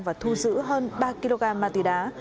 và thu giữ hơn ba kg ma túy đá